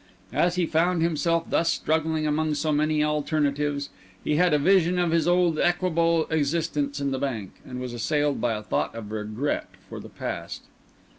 As he found himself thus struggling among so many alternatives, he had a vision of his old equable existence in the bank, and was assailed by a thought of regret for the past.